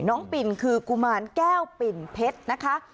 ปิ่นคือกุมารแก้วปิ่นเพชรนะคะ